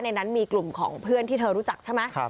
ในนั้นมีกลุ่มของเพื่อนที่เธอรู้จักใช่ไหม